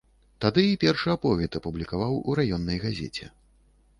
Тады і першы аповед апублікаваў у раённай газеце.